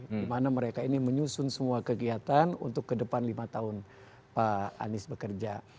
dimana mereka ini menyusun semua kegiatan untuk ke depan lima tahun pak anies bekerja